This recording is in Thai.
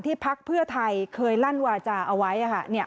พักเพื่อไทยเคยลั่นวาจาเอาไว้